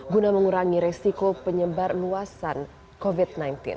guna mengurangi resiko penyebar luasan covid sembilan belas